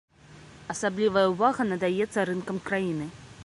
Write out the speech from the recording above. Асаблівая ўвага надаецца рынкам краіны.